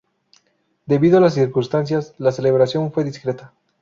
Debido a las circunstancias, la celebración fue discreta.